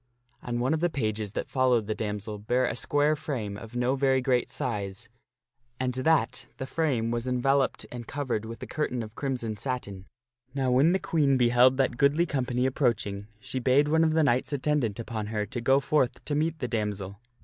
And one of the pages that followed the damsel bare a square frame of no very great size, and that the frame was enveloped and covered with a curtain of crimson satin. Now when the Queen beheld that goodly company approaching, she bade one of the knights attendant upon her for to go forth to meet the damsel.